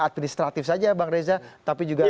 administratif saja bang reza tapi juga